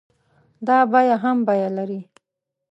دا بيه هم بيه لري.